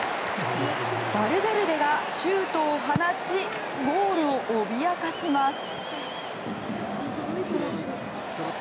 バルベルデがシュートを放ちゴールを脅かします。